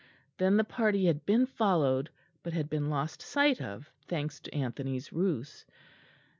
Then the party had been followed, but had been lost sight of, thanks to Anthony's ruse.